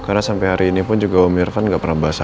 karena sampai hari ini pun juga om irfan gak pernah bahas apapun